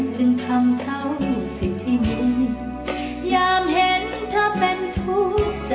จึงทำเข้าสิ่งที่มียามเห็นเธอเป็นทุกข์ใจ